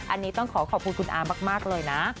อันนี้ต้องขอขอบคุณคุณอามากเลยนะ